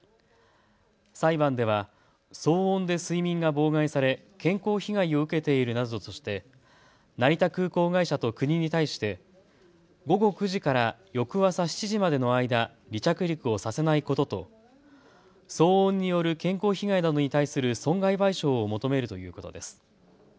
裁判では騒音で睡眠が妨害され健康被害を受けているなどとして成田空港会社と国に対して午後９時から翌朝７時までの間、離着陸をさせないことと騒音による健康被害などに対する損害賠償を求めるということです。